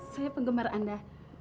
saya penggemar anda